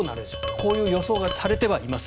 こういう予想がされてはいますが。